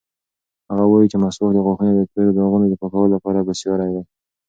هغه وایي چې مسواک د غاښونو د تورو داغونو د پاکولو لپاره بېساری دی.